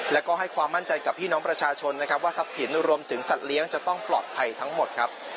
และก็ให้ความมั่นใจกับพี่น้องประชาชนว่าทัพผิดรวมถึงสัตว์เลี้ยงจะต้องปลอดภัยทั้งหมด